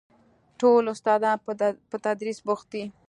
ټول استادان په تدريس بوخت دي.